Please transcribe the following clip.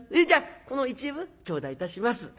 じゃあこの１分頂戴いたします。